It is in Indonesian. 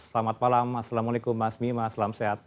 selamat malam assalamualaikum mas bima selamat sehat